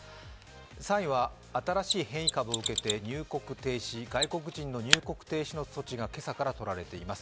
３位は新しい変異株を受けて外国人の入国停止の措置が今朝からとられています。